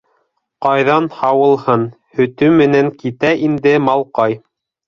Ҡайҙан һауылһын... һөтө менән китә инде малҡай.